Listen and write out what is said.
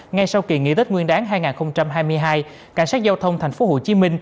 ngay sau kỳ nghỉ tết nguyên đáng hai nghìn hai mươi hai cảnh sát giao thông tp hcm